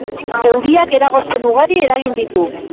Euriak eragozpen ugari eragin ditu.